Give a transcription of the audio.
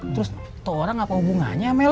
terus itu orang apa hubungannya mel